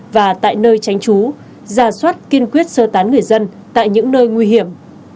và tại nơi tránh trú giả soát kiên quyết sơ tán người dân tại những nơi nguy hiểm